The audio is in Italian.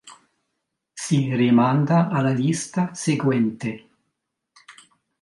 Si rimanda alla lista seguente.